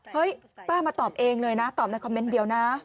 ป้ามาตอบเองเลยนะตอบในคอมเมนต์เดียวนะ